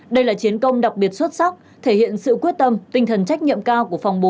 đây là chiến công đặc biệt xuất sắc thể hiện sự quyết tâm tinh thần trách nhiệm cao của phòng bốn